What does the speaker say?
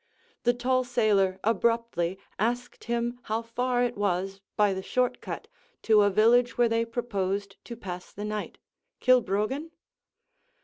The tall sailor abruptly asked him how far it was, by the short cut, to a village where they proposed to pass the night Kilbroggan?